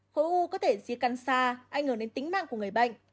khối u có thể di căn xa ảnh hưởng đến tính mạng của người bệnh